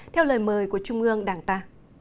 theo lời mời của trung ương đảng ta